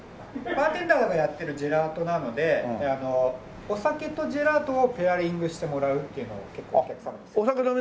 バーテンダーがやってるジェラートなのでお酒とジェラートをペアリングしてもらうっていうのは結構お客様に。